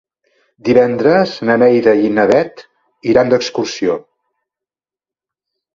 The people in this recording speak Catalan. Divendres na Neida i na Bet iran d'excursió.